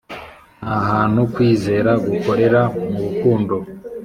nta hantu kwizera gukorera mu rukundo